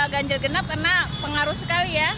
ganjil genap karena pengaruh sekali ya